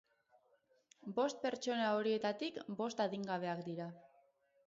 Bost pertsona horietatik bost adingabeak dira.